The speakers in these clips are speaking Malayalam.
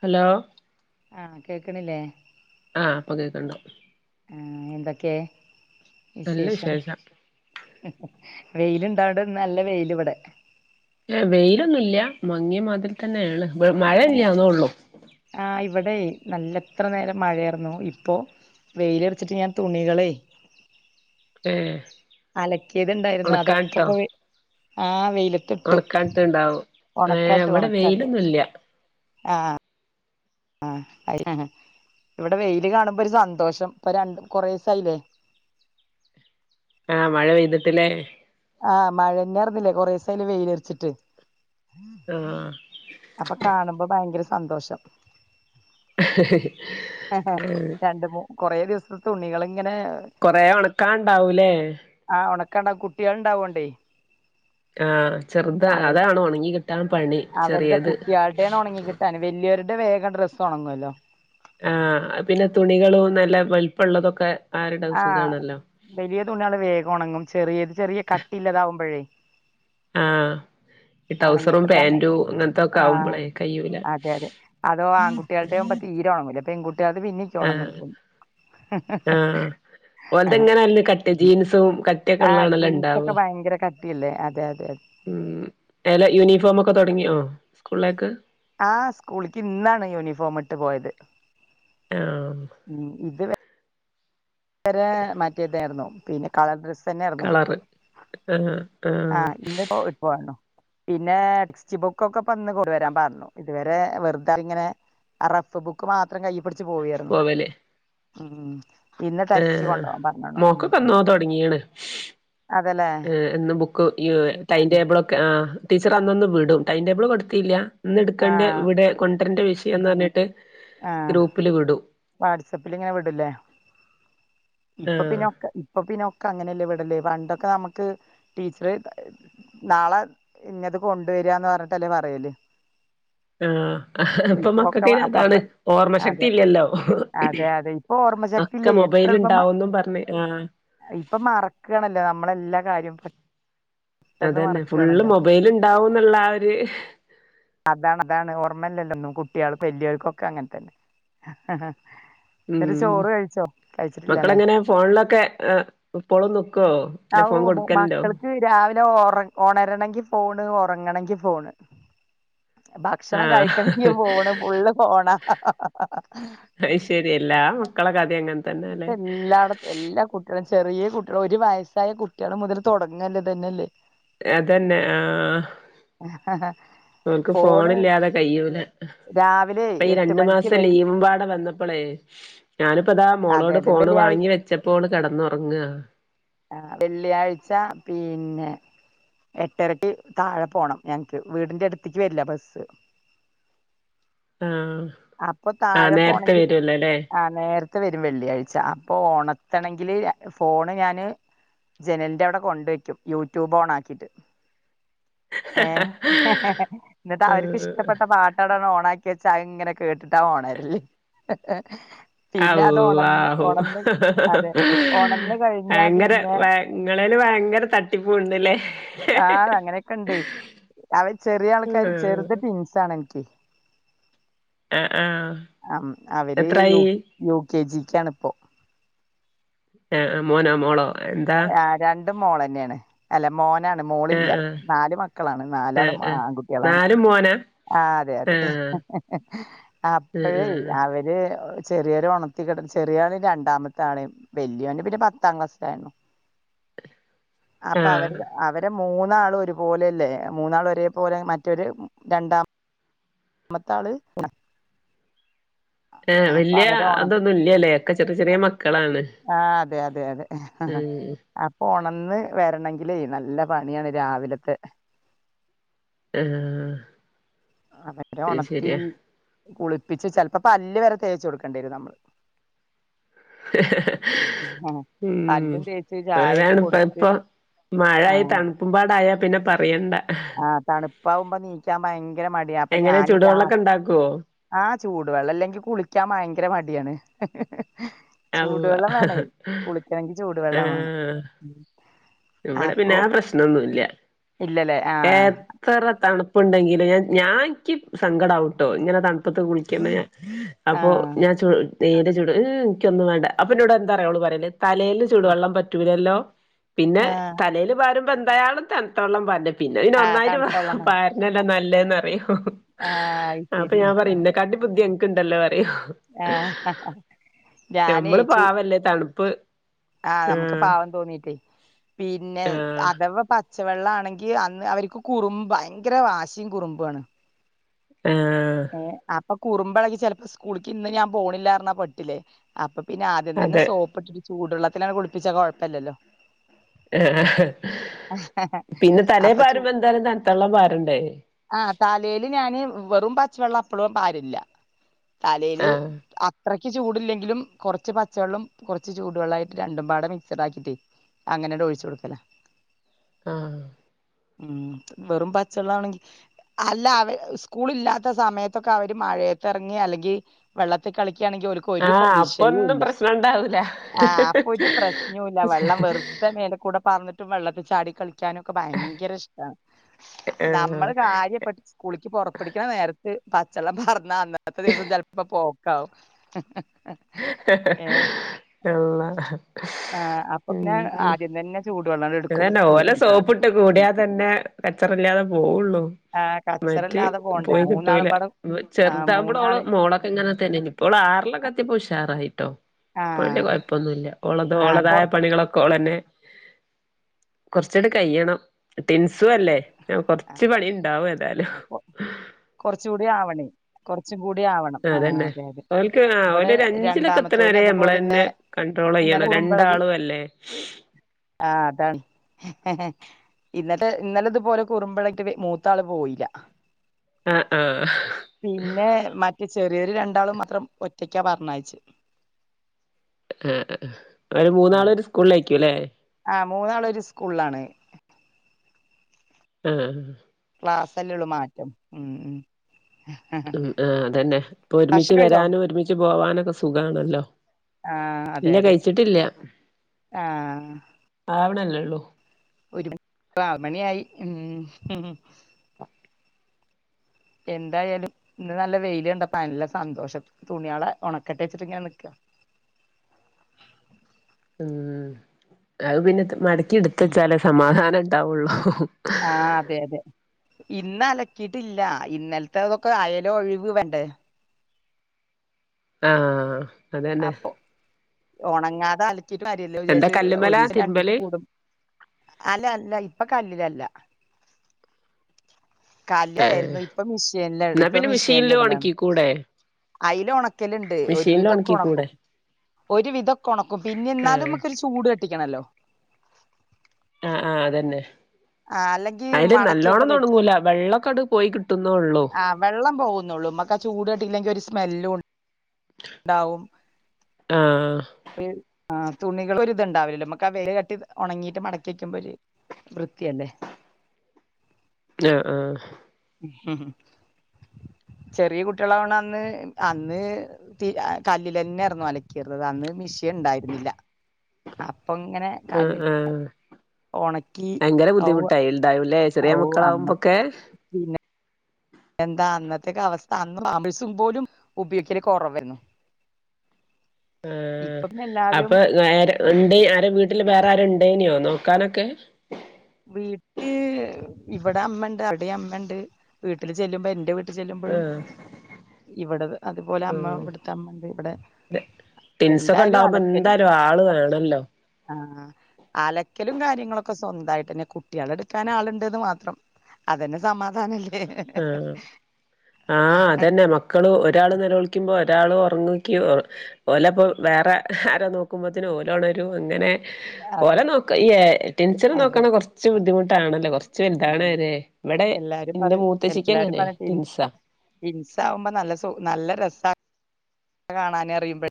ഹലോ ആഹ് കേക്ക്ണില്ലേ ആഹ് പ്പൊ കേക്കണ്ട് ഏഹ് എന്തൊക്കെ വിശേഷം ഏഹ് വെയില ഇണ്ടാവടെ നല്ല വെയിലവിടെ ഏഹ് വെയിലൊന്നുല്ല മങ്ങി മതിൽത്തന്നെയാണ് മഴ ഇല്ലന്നേള്ളൂ ആഹ് ഇവിടെ നല്ല ഇത്ര നേരം മഴയായിരുന്നുു ഇപ്പോ വെയിലാറച്ചിണ്ട് ഞാൻ തുണികളെ ഏഹ് അലക്കിയത്ണ്ടായിരുന്നു ഒണക്കാൻട്ടോ അതൊക്കെപ്പോ ആ വെയില ഒന്നാകാത്തേണ്ടാവും ഏഹ് ഇവിടെ ഒണക്കാട്ട് വെയിലൊന്നുംല്ല ആഹ് ആഹ് അയ്നാണ് ഇവടെ വെയില് കാണുമ്പരു സന്തോഷം ഇപ്പ രണ്ടും കൊറേസായിലെ. ആ മഴ പെയ്ത്ട്ട്ലേ? ആ മഴന്നർന്നില്ലേ കൊറേസായിലെ വെയിലർച്ചിട്ട്. ആഹ് അപ്പ കാണുമ്പം ഭയങ്കര സന്തോഷം. ഇഹ്ഹ്ഹ് രണ്ട് മൂ കൊറെ ദിവസത്തെ തുണികള് ഇങ്ങനെ കൊറെ ഒണക്കാണ്ടാവൂല്ലേ? ആ ഒണക്കാണ്ടാവും കുട്ട്യാൾ ഉണ്ടാവോണ്ടേ. ആ ചെർതാ അതാണ് ഒണങ്ങി കിട്ടാൻ പണി ചെറിയത്. [unintelligible] വല്യോര്ടെ വേഗം ഡ്രസ്സ് ഒണങ്ങുല്ലോ. ആ പിന്നെ തുണികളും നല്ല വെൽപ്പം ഇള്ളതൊക്കെ ആറിടാം ആ സുഖാണല്ലോ. വലിയ തുണികള് വേഗം ഒണങ്ങും ചെറിയത് ചെറിയ കട്ടില്ലാതാവുമ്പഴേ ആഹ് ഈ ഉണങ്ങി ടൗസറും കിട്ടാൻ പാന്റും അങ്ങൻത്തൊക്കെ ആ ആകുമ്പളേ കയ്യൂല. [unintelligible] ആകുമ്പം തീരേ ഒണങ്ങൂല പെൺ കുട്ട്യേൾതേ പിന്നേം ആഹ് ഒണങ്ങും തോന്നും. ആഹ് ഓൽതെങ്ങനെല്ല കട്ട് ജീൻസും കട്ടിയൊക്കെ ആ ഉള്ളാണല്ലോ ജീൻസ് ഇണ്ടാവ ഒക്കെ ഭയങ്കര കട്ടിയല്ലേ അതെ അതെ അതെ. ഉം എല യൂണി ഫോമൊക്കെ തൊടങ്ങിയോ സ്കൂളിലേക്ക്? ആ സ്കൂളിക്ക് ഇന്നാണ് യൂണിഫോം ഇട്ട് പോയത്. യാഹ് ഉം ഉം ഇത് വെ വെരെ മറ്റേ ഇതായിരുന്നു പിന്നെ കളർ ഡ്രസ്സ് തന്നെയായിരുന്നു കളറ് ആഹ് ആ ആഹ് ഇന്ന്പ്പോ ഇട്ട് പോന്നു. പിന്നെ ടെക്സ്റ്റ് ബുക്കൊക്കെ പ്പന്ന് കൊണ്ട് വരാൻ പർഞ്ഞു ഇതുവരെ വെറുത ഇങ്ങനെ ആ റഫ് ബുക്ക് മാത്രം കയ്യ്പിടിച്ച് പോവേര്ന്നു പോവല് ഉം. ഇന്ന് ടെക്സ്റ്റ് ആഹ് കൊണ്ടോവാൻ പർഞ്ഞ്ണോ ഉം മോക്കൊക്കെ ഉം എന്നോ തൊടങ്ങീണ് അതെല്ലേ. ഏഹ് എന്ന് ബുക്ക് ഈ ടൈം ടേബിൾ ഒക്കെ ആ ടീച്ചർ അന്നന്ന് വിടും. Time table കൊടുത്തീല്ലാ? ഇന്നെടുക്കണ്ട്യ ആഹ് ഇവടെ കൊണ്ടരണ്ട വിഷയം എന്ന് പർഞ്ഞി ആ വാട്സപ്പിൽ ഇങ്ങനെ വിടല്ലേ? ഇപ്പൊ ആഹ് പിന്നൊക്കെ ഇ ഇപ്പൊ പിന്നൊക്കെ അങ്ങനെയല്ലേ വിടല് പണ്ടൊക്കെ നമുക്ക് ടീച്ചർ നാളെ ഇന്നത് കൊണ്ടുവരാന്ന് പർഞ്ഞിട്ടല്ലേ പറയല്. ആ അപ്പൊ ഇപ്പൊക്കെ മക്കക്കിങ്ങനെ അപ്പപ്പ അതാണ് ഓർമ ശക്തി അതെ ഇല്ലല്ലോ അതെ അതെ ഇപ്പൊ ഓർമ്മശക്തി ഒക്കെ ഇല്ലേ മൊബൈൽ ഇണ്ടാവും ന്ന് പർഞ്ഞ് ആ ഇപ്പം മറക്കാണല്ലോ നമ്മളെല്ലാ കാര്യം അതന്നെ ഫുള്ള് മൊബൈൽ ഇണ്ടാവുന്ന്ള്ള ആ ഒര് അതാണ് അതാണ് ഓർമ്മല്ലല്ലൊന്നും കുട്ട്യാൾക്ക് വല്യാൾക്കൊക്കെ അങ്ങൻത്തന്നെ ഉം [unintelligible] ചോറ് കഴിച്ചോ? മക്കളെങ്ങനെ ഫോൺലൊക്കെ ഏ ഇപ്പളും നിക്കോ ആ അല്ല ഓ ഫോൺ മ- കൊട്ക്കല്ണ്ടോ? മക്കൾക്ക് രാവിലെ ഒറ ഒണരണങ്കി ഫോണ് ഒറങ്ങണെങ്കി ഫോണ് ഭക്ഷണം കഴിക്കണെങ്കി ആഹ് ഫോണ് ഫുള്ള് ഫോണ. അഹ്ശരി എല്ലാ മക്കളെ കഥയും അങ്ങൻ തന്നെ ഇപ്പ അല്ലേ. എല്ലായിടത്തും എല്ലാ കുട്ട്യളും ചെറിയ കുട്ട്യളും ഒരു വയസ്സായ കുട്ട്യള് മുതൽ തൊടങ്ങല്ലത് ഇതന്നെല്ലേ. അതന്നെ ആ ഓൽക്ക് ഫോണ് ഫോണില്ലാതെ കയ്യൂല. രാവിലെ ഇപ്പ ഈ എട്ട് രണ്ട് മണിക്ക് മാസം വെ ലീവും പാടെ വന്നപ്പളേ ഞാന്പ്പതാ അതെ മോളോട് അതെ ഫോണ് വെള്ളിയാഴ്ച വാങ്ങി വെച്ചപ്പോള് കെടന്നൊറങ്ങ. ആഹ് വെള്ളിയാഴ്ച പിന്നെ എട്ടരയ്ക്ക് താഴെ പോണം ഞങ്ങക്ക് വീടിന്റെ അടുത്തേക്ക് വരില്ല ബസ്സ് ആഹ് അപ്പൊ ആ താഴെ നേരത്തെ പോണെങ്കി വരുല്ലോ അല്ലേ ആ നേരത്തെ വരും വെള്ളിയാഴ്ച അപ്പൊ ഒണർത്തണെങ്കില് ഫോണ് ഞാന് ജനലിന്റെ അവിടെ കൊണ്ട് വയ്ക്കും യൂട്യൂബ് ഓൺ ആക്കിയിട്ട്. ഏഹ് എന്നിട്ട് അവര്ക്ക് ആഹ് ഇഷ്ടപ്പെട്ട പാട്ടങ്ങട് ഓണാക്കി ക്കി വെച്ചാ അത് ഇങ്ങനെ കേട്ടിട്ടാ ഒണരൽ അള്ളാഹു അതെ ഒണന്ന് കഴിഞ്ഞാ അങ്ങനെ പിന്നെ ഭ ഇങ്ങളേല് ഭയങ്കര തട്ടിപ്പൂണ്ട്ല്ലേ ആഹ് അങ്ങനെയൊക്കെണ്ട് അവര് ചെറിയ ആൾക്കാര് ആഹ് ചെറുത് ട്വിൻസാണെനിക്ക് ആഹ് ആഹ് അവര് യു എത്രായി? കേ യു കെ ജിക്കാണ് ഇപ്പോ എഹ് മോനോ മോളോ എന്താ? ആ രണ്ടും മോളന്നെണ് അല്ല മോനാണ് മോളില്ല ആഹ് ആഹ് നാല് മക്ക മക്കളാണ് ആഹ് നാലാളും ആഹ് ആൺകുട്ടികളാണ് നാലും മോനാ? ആ അതെ അതെ ആഹ് അപ്പഴേ ആഹ് ആഹ് അവ അത് ചെറിയൊരു ഉണത്തി കിട ചെറിയാളും രണ്ടാമത്തെ ആളും വല്യോന് പിന്നെ പത്താം ക്ലാസ്സിലായിരുന്നു അപ്പൊ അവര് ആഹ് അവരെ മൂന്നാള് ഒരുപോലെല്ലേ മൂന്നാൾ ഒരേ പോലെ മറ്റൊരു രണ്ടാ മത്താള് [unintelligible] ഏ വല്യ അവരെ ഉണ അതൊന്നും ഇല്ലല്ലേ ഒക്കെ ചെറിയ ചെറിയ മക്കളാണ് ആ അതെ അതെ അതെ ഉം ഒണർന്ന് വരണെങ്കിലേ നല്ല പണിയാണ് രാവിലത്തെ ആഹ് അവരെ അത് ഒണർത്തി ശെരിയാ കുളിപ്പിച്ച് ചിലപ്പോ പല്ല് വരെ തേച്ച് കൊടുക്കേണ്ടി വരും നമ്മള് ഉം ഉം പല്ലും തേച്ച് ചായൊക്കെ അതാണ് ഇപ്പ കൊടുത്ത് ഇപ്പൊ ആ മഴായി അതെ തണുപ്പുമ്പാടായാ പിന്നെ പറയണ്ട. ആ തണുപ്പാവുമ്പോ നീക്കാൻ ഭയങ്കര ഭയങ്കര മടിയാ അപ്പൊ എങ്ങനെ ഞാാന് രാ ചൂടുവെള്ളൊക്കെ ഉണ്ടാക്കുവോ ആഹ് ചൂട് വെള്ളം ഇല്ലെങ്കി കുളിക്കാൻ ഭയങ്കര മടിയാണ് അള്ള ചൂടുവെള്ളം വേണേ കുളിക്കണെങ്കി ചൂടുവെള്ളം വേണം ആഹ് ഇവിടെ പിന്നെ അപ്പൊ ആ പ്രശ്ണൊന്നും ഇല്ല ഇല്ലല്ലേ ആഹ് എത്ര തണുപ്പ തണ്ടുപ്പ്ണ്ടെങ്കില് ഞാൻ ഇൻക്ക് സങ്കടാവുട്ടോ ഇങ്ങനെ തണുപ്പത്ത് കുളിക്കുന്നേ അപ്പൊ ആഹ് ഞാൻ തീരെ ചുട് എനിക്കൊന്നും വേണ്ട അപ്പൊ ഇന്നോട് എന്താറിയോ ഓള് പറയല് തലേല് ചൂടുവെള്ളം പറ്റൂലല്ലോ പിന്നെ ആഹ് തലേല് പാരുമ്പോ എന്തായാലും തണ്ത്ത വെള്ളം പാരണ്ടെ പിന്നെ ഇന് ആഹ് ഒന്നായിട്ട് തണുത്തള്ളം വേണം പാര ര്ണല്ലേ നല്ലേന്ന് അറിയോ ആഹ് അത് അപ്പൊ ശരി ഞാൻ പറയും എന്നെ കാട്ടിംബുദ്ധി അൻക്ക് ഇണ്ടല്ലോ പറയും ആഹ് ഞാനേ നമ്മള് ചു പാവല്ലേ തണുപ്പ് ആഹ് നമുക്ക് പാവം തോന്നീട്ടേ പിന്നെ ആഹ് അഥവാ പ പച്ച വെള്ള ആണെങ്കിൽ അന്ന് അവർക്ക് കുറുമ്പ് ഭയങ്കര വാശിയും കുറുമ്പാണ് ആഹ് ഏ അപ്പൊ കുറുമ്പളകി ചിലപ്പോ സ്കൂളിക്ക് ഇന്ന് ഞാൻ പോണില്ലാ പറഞ്ഞാ പെട്ടില്ലേ അപ്പൊ പിന്നെ ആദ്യം തന്നെ അതെ സോപ്പിട്ടിട്ട് ചൂടു വള്ളത്തിലാണ് കുളിപ്പിച്ച കൊഴപ്പല്ലല്ലോ ആഹ് പിന്നെ തലേ അപ്പൊ പാരുമ്പോ എന്താലും തണ്ത്തള്ളം പാരണ്ടേ ആ തലേല് ഞാന് വെറും പച്ചവെള്ളം അപ്പളും പാരില്ല തലേല് ആഹ് അത്രയ്ക്ക് ചൂടില്ലെങ്കിലും കുറച്ച് പച്ചവെള്ളം കുറച്ച് ചൂടു വെള്ള ആയിട്ട് രണ്ടും പാടെ മിക്സഡ് ആക്കിയിട്ടേ അങ്ങനെട് ഒഴിച്ചു കൊടുക്കല ആഹ് ഉം വെറും പച്ചെള്ളാണെങ്കി അല്ല അവ സ്കൂള്ല്ലാത്ത ത്തെ സമയത്തൊക്കെ അവര് മഴയെത്തെറങ്ങി അല്ലെങ്കി വെള്ളത്തി കളിക്കാണെങ്കി ഓലിക്ക് ക്ക് ഒരു കൊ ആഹ് അപ്പൊന്നും വിഷയോല്ല പ്രശ്നം ഉണ്ടാവൂല ആഹ് അപ്പൊ ഒരു പ്രശ്നോല്ലാ വെള്ളം വെറുതെ മേല് കൂടെ പാർന്നിട്ടും വെള്ളത്തി ചാടി കളിക്കാനൊക്കെ ഭയങ്കര ഇഷ്ട്ടാണ് ആഹ് നമ്മള് കാര്യം ടിച്ച് സ്കൂളിക്ക് പൊറപ്പെടിക്കണ നേരത്ത് പച്ചെള്ളം പാർന്നാ അന്നത്തെ ദിവസം ചെലപ്പോ പോ ക്കാവും എള്ളാ ആഹ് അപ്പൊ ഉം പിന്നെ ഉം ആദ്യം തന്നെ ചൂടുവെള്ളം എടുക്കും അതന്നെ ഓലെ കുളിപ്പിക്കാൻ സോപ്പി ട്ട് കൂടിയാതെന്നെ കച്ചറല്ലാതെ പോവുള്ളൂ ആഹ് മറ്റ് കച്ചറല്ലാതെ പോണ്ടേ പോയി കിട്ടൂലാ മൂന്നാളുംപാടെ വ് ആഹ് ചെറുതാവമ്പളാ ഓളെ മൂന്നാള് മോളാ ഇങ്ങനെ തന്നെയേന്നി ഇപ്പോള് ആറിലൊക്കെ എത്തിപ്പോ ഉഷാറായിട്ടോ ഇപ്പൊ വെല്യ ആഹ് കൊഴപ്പൊന്നുല്ലാ ഓളത് ആഹ് ഓളെതായ കൊറ പണികളൊക്കെ ഓളന്നെ കൊറച്ചാട് കയ്യണം ടിൻസു അല്ലേ കൊറച്ച് പണി ഇണ്ടാവും ഏതാലും കൊറച്ചൂടി ആവണേ കൊറച്ചും കൂടി ആവണം ആഹ് അതന്നെ അതെ അതെ ഓൽക്ക് ആ ഇവിടെ ഓലൊരു അഞ്ചിലൊക്കെ എത്തണ രണ്ടാമത്തോൻ വരെ അതുപോലെന്നെ നമ്മളന്നെ ഇന്നലെ കൺട്രോളെയ്യണം രണ്ടാളു അല്ലേ ആഹ് അതാണ് ഇന്നത്തെ ഇന്നലെ ഇതുപോലെ കുറുമ്പെളെകീറ്റ് മൂത്താള് പോയീല്ലാ ആഹ് ആഹ് പിന്നെ മറ്റേ ചെറിയോര് രണ്ടാളും മാത്രം ഒറ്റക്കാ പറഞ്ഞയച്ച് ആഹ് അവര് മൂന്നാളും ഒരു സ്കൂളിലായിക്കൂല്ലേ ആഹ് മൂന്നാളു ഒരു സ്കൂളിലാണ് ആഹ് ആഹ് ക്ലാസ്സല്ലേ ഉള്ളൂ മാറ്റം ഉം ഉം ഉം ആഹ് അതന്നെ ഇപ്പൊ ഒരുമിച്ച് ഭക്ഷണം കഴിച്ചോ വരാനും ഒരുമിച്ച് പോവാനൊക്കെ സുഖാണല്ലോ ആഹ് അതെ ഇല്ല അതെ കഴിച്ചിട്ടില്ല ആഹ് ആവണല്ലേള്ളൂ ഒരു മണി ആറ് മണി ആയി ഉം ഉം എന്തായാലും ഇന്ന് നല്ല വെയില് കണ്ടപ്പ നല്ല സന്തോഷം തുണിയാളെ ഒണക്കെട്ടെച്ചിട്ട് ഇങ്ങനെ നിക്കാ ഉം അത് പിന്നെ ത് മടക്കി എടുത്തെച്ചാലേ സമാധാനം ഇണ്ടാവുള്ളൂ ആഹ് അതെ അതെ ഇന്ന് അലക്കിയിട്ടില്ലാ ഇന്നലത്തെ അതൊക്കെ അയലൊഴിവ് വേണ്ടേ ആഹ് അതന്നെ അപ്പൊ ഒണങ്ങാതെ അലക്കീട്ട് കാര്യല്ലാ എന്താ വിചാരിട്ട് കല്ലുമ്മലാ ഒരീസം രണ്ടീസം തിരുമ്പല് കൂടു അല്ല അല്ല ഇപ്പൊ കല്ലിലല്ലാ ഏഹ് കല്ലായിരുന്നു ഇപ്പ മിഷ്യേൻലാ ഇടാ എന്നാ ഇപ്പൊ പിന്നെ മെഷീനില് മിഷ്യേൻലിടലാ ഒണക്കിക്കൂടെ അയില് ഒണക്കല്ണ്ട് മെഷീനില് ഒരുവിധൊക്കെ ഒണ ഒണക്കിക്കൂടെ ക്കും ഒരു വിധൊക്കെ ഒണക്കും പിന്നെ എന്നാലും ആഹ് ഇമ്മക്കൊരു ചൂട് തട്ടിക്കണല്ലോ ആഹ് ആഹ് അതന്നെ ആ അല്ലെങ്കി അയില് മടക്കിയൊക്കെ നല്ലോണൊന്നും വെക്കും ഒന്നങ്ങൂലാ വെള്ളക്കെ ആട് പോയി കിട്ടുന്നോള്ളൂ ആ വെള്ളം പോകുന്നുള്ളൂ ഇമ്മക്ക് ആ ചൂട് തട്ടില്ലെങ്കിൽ ഒരു സ്മെല്ലു ണ്ടാവും ആഹ് റി ആഹ് തുണികളൊര്ത്ണ്ടാവില്ലല്ലോ ഇമ്മക്ക് ആ വെയിലട്ടി ഒണങ്ങീട്ട് മടക്കി വെക്കുമ്പൊരു വൃത്തിയല്ലേ ആഹ് ആഹ് ചെറിയ കുട്ടികളാവണം അന്ന് അന്ന് ത്തി കല്ലിൽ തന്നെയായിരുന്നു അലക്കിറത് അന്ന് മിഷിയ ഉണ്ടായിരുന്നില്ല അപ്പൊ ഇങ്ങനെ ആഹ് കല്ലിൽ ആഹ് ഭയങ്കര ബുദ്ധിമുട്ടായി ഉണ്ടാവൂല്ലേ ഓ അന്ന പിന്ന എന്താ അന്നത്തെേക്ക അവസ്ഥ അന്ന് പാമിഴസും പോലും ഉപയോഗിക്കല കുറവ് ആന്നു ഉ ആ ഇപ്പൊ പിന്നെ എല്ലാരും അപ്പൊ നേരെ ഉണ്ട് ആരെ വീട്ടില് വേറെ ആരുണ്ടേനോ നോക്കാനൊക്കെ വീട്ട് ഇവിടെ അമ്മ ഉണ്ട് അവിടെയും അമ്മ ഉണ്ട് വീട്ടിൽ ചെല്ലുമ്പോ എന്റെ വീട്ട ആഹ് ഇവിടത് അതുപോലെ അമ്മ ആഹ് ഇവിടുത്തെ അമ്മന്റെ ഇവിടെ ടെൻസൊക്കെ എന്തായാലും ഉണ്ടാവുമ്പോ അലക്കലും എന്തായാലും ആള് വേണല്ലോ ആഹ് അലക്കലും കാര്യങ്ങളൊക്കെ സ്വന്തമായി പിന്നെ കുട്ടികള എടുക്കാൻ ആളുണ്ട്ന്ന് മാത്രം അതന്നെ സമാധാനല്ലേ ആഹ് ആഹ് അതന്നെ മ ക്കള് ഒരാള് നിലവിളിക്കുമ്പോ ഒരാള് ഉറങ്ങക്കി ഒ ഓലപ്പോ വേറെ ആരോ നോക്കുമ്പോത്തിനും ഓലൊണരും അങ്ങനെ ഓലെ അതെ നോക്ക ഈ ടിൻഷന അതെ നോക്കണ കൊറച്ച് ബുദ്ധിമുട്ടാണല്ലോ കൊറച്ച് വലുതണ ഉം. വരെ ഇവടെ എല്ലാരും പറ എല്ലാരും പറയും ടി ടിൻസകുമ്പോ നല്ല സു നല്ല രസ കാണാന അറിയുമ്പ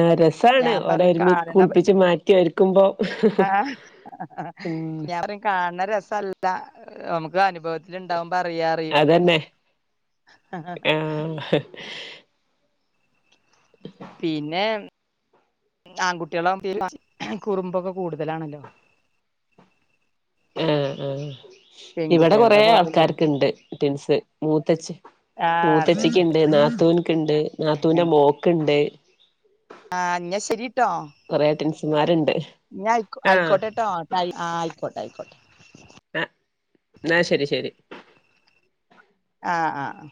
ആഹ് രസാണ് ഞാൻ ഓല പറയും ഒരുമി കാണണ കുളിപ്പിച്ച് മാറ്റി ഒരുക്കുമ്പോ ഉം ഞാൻ പറയും കാണണ രസല്ല നമുക്ക് അനുഭവ ഇല് ഇണ്ടാവുമ്പോ അറിയ അറിയ് അതന്നെ ഉ പിന്നെ ആൺകുട്ടികളെ ആവുമ്പോ കുറുമ്പൊക്കെ കൂടുതലാണല്ലോ ഏഹ് ആഹ് ഇവിടെ കൊറെ പെൺകുട്ടികളുടെ പോലെയല്ലല്ലോ ആൾക്കാർക്ക് ഉണ്ട് ടിൻസ് മൂത്തച് ആഹ് അതെ അതെ മൂത്തച്ചിക്ക്ണ്ട് നാത്തൂന്ക്ക് ഉണ്ട് നാത്തൂന്റെ മോക്ക്ണ്ട് ആഹ് അന്ന ശരിട്ടോ കൊറെ ടെൻസുമാരുണ്ട് ന്ന ആയിക്കോട്ടെട്ടോ ടൈ ആഹ് ആയിക്കോട്ടെ ആയിക്കോട്ടെ ആഹ് ന്ന ശരി ശരി ആഹ് ആഹ്